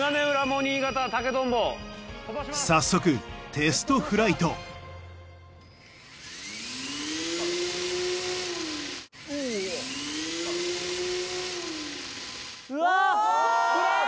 早速テストフライトうわ！